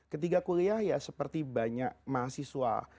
ketika kuliah ya seperti banyak mahasiswa